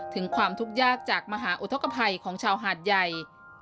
ถึงความทุกข์ยากจากมหาอุทธกภัยของชาวหาดใหญ่